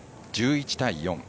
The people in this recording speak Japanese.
１１対４。